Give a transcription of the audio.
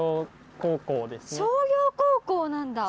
商業高校なんだ。